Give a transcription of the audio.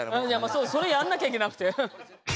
そうそれやんなきゃいけなくて。